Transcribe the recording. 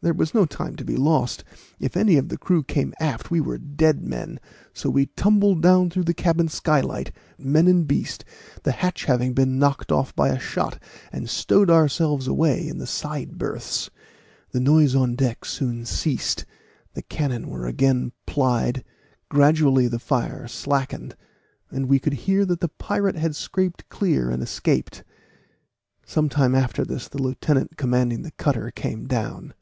There was no time to be lost; if any of the crew came aft we were dead men, so we tumbled down through the cabin skylight, men and beast, the hatch having been knocked off by a shot, and stowed ourselves away in the side berths. The noise on deck soon ceased the cannon were again plied gradually the fire slackened, and we could hear that the pirate had scraped clear and escaped. Some time after this the lieutenant commanding the cutter came down.